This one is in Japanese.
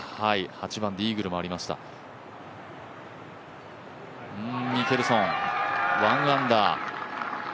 ８番でイーグルもありましたミケルソン、１アンダー。